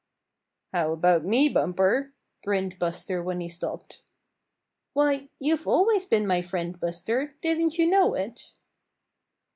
"How about me, Bumper?" grinned Buster when he stopped. "Why, you've always been my friend, Buster, didn't you know it?"